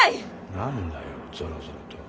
何だよぞろぞろと。